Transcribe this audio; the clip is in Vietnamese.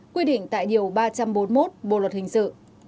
quy định tại điều ba trăm bốn mươi một bộ luật hình sự